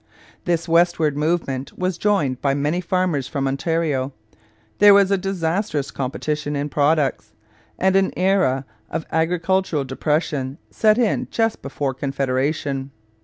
This westward movement was joined by many farmers from Ontario; there was a disastrous competition in products, and an era of agricultural depression set in just before Confederation.